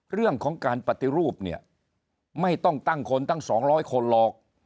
เรื่องของการปฏิรูปเนี่ยไม่ต้องตั้งคนตั้ง๒๐๐คนหรอก